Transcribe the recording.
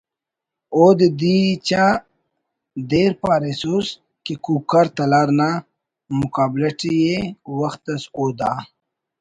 اودے دیچہ دیر پاریسُس کہ ”کوکار“ تلار نا مقابلہ ٹی ءِ وخت اس او دا